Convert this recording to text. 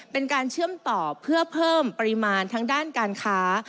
เป็นการเชื่อมต่อเพื่อเพิ่มปริมาณทั้งด้านการค้า